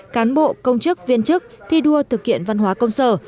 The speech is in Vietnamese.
cán bộ công chức viên chức thi đua thực hiện văn hóa công sở